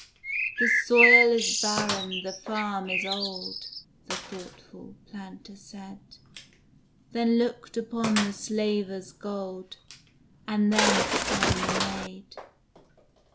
"The soil is barren, the farm is old;" The thoughtful Planter said; Then looked upon the Slaver's gold, And then upon the maid.